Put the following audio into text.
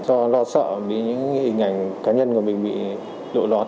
do lo sợ những hình ảnh cá nhân của mình bị lộ lót